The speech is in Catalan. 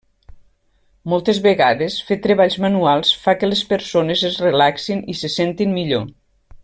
Moltes vegades fer treballs manuals fa que les persones es relaxin i se sentin millor.